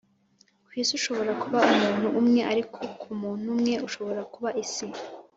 kwisi ushobora kuba umuntu umwe ariko kumuntu umwe ushobora kuba isi